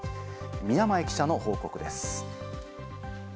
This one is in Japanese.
宮前記者の報告です。